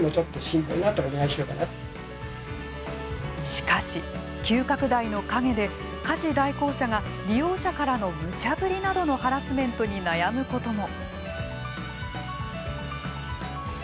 しかし、急拡大の陰で家事代行者が利用者からの無茶ぶりなどのハラスメントに悩むことも。